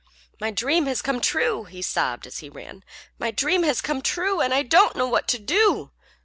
"My dream has come true!" he sobbed as he ran. "My dream has come true, and I don't know what to do!"